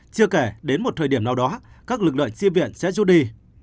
chưa kể đến một thời điểm nào đó các lực lượng si viện sẽ rút đi